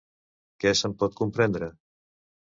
Què se'n pot comprendre?